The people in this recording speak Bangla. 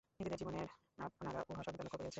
নিজেদের জীবনেই আপনারা উহা সর্বদা লক্ষ্য করিয়াছেন।